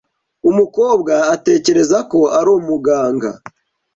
Umukobwa atekereza ko ari umuganga.